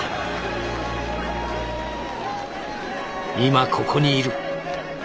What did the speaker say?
「今ここにいる」。